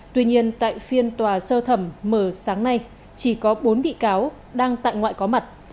tuy nhiên tại phiên tòa sơ thẩm mở sáng nay chỉ có bốn bị cáo đang tại ngoại có mặt